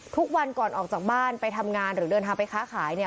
ทุกวันก่อนออกจากบ้านไปทำงานหรือเดินทางไปค้าขายเนี่ย